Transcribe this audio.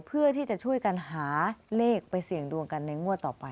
เพื่อที่จะช่วยกันหาเลขไปเสี่ยงดวงกันในงวดต่อไป